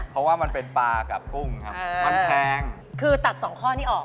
เพราะว่ามันเป็นปลากับกุ้งครับมันแพงคือตัดสองข้อนี้ออก